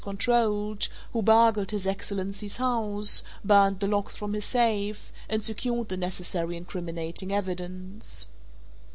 controlled, who burgled His Excellency's house, burnt the locks from his safe and secured the necessary incriminating evidence.